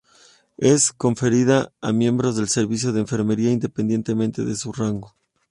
Es conferida a miembros del servicio de enfermería, independientemente de su rango.